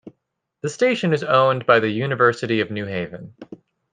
The station is owned by the University of New Haven.